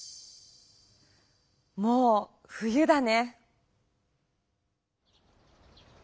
もう冬だね。